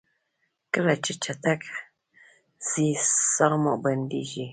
کله چې چټک ځئ ساه مو بندیږي؟